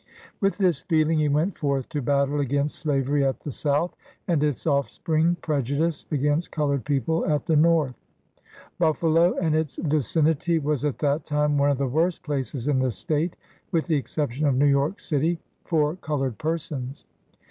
With this feeling, he went forth to battle against slavery at the South, and its offspring, prejudice against colored people, at the North. Buffalo and its vicinity was at that time one of the worst places in the State, with the exception of New York city, for colored per sons.